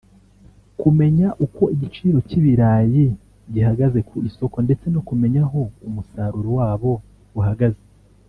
kumenya uko igiciro cy’ibarayi gihagaze ku isoko ndetse no kumenya aho umusaruro wabo uhagaze